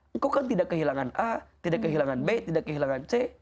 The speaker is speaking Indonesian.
engkau kan tidak kehilangan a tidak kehilangan b tidak kehilangan c